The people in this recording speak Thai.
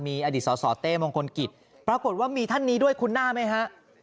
มีอดีตสสเต้มงคลกิจปรากฏว่ามีท่านนี้ด้วยคุณหน้าไหมฮะ